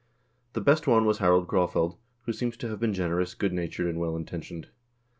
The best one was Harald Graafeld, who seems to have been generous, good natured, and well intentioned.